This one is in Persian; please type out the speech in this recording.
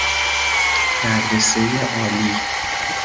مدرسۀ عالی